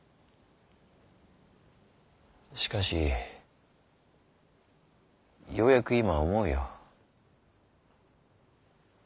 しかしようやく今思うよ。